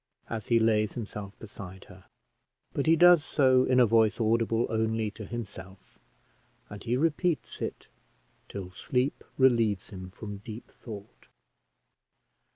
as he lays himself beside her, but he does so in a voice audible only to himself, and he repeats it till sleep relieves him from deep thought.